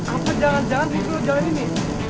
apa jangan jangan rintu lo jalan ini